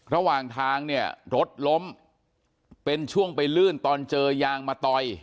ระหว่างทางเนี่ยรถล้มเป็นช่วงไปลื่นตอนเจอยางมาต่อย